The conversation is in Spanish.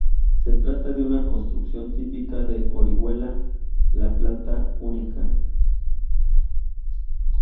Se trata de una construcción típica de Orihuela, de planta única.